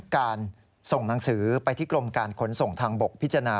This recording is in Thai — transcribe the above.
การส่งหนังสือไปที่กรมการขนส่งทางบกพิจารณา